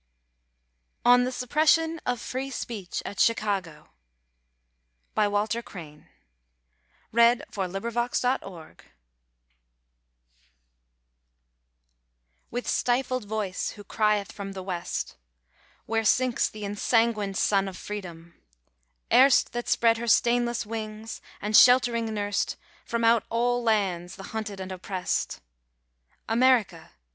ON THE SUPPRESSION OF FREE SPEECH AT CHICAGO WITH stifled voice who crieth from the West, Where sinks the ensanguined sun of Freedom, erst That spread her stainless wings, and sheltering nurst, From out all lands, the hunted and opprest? America!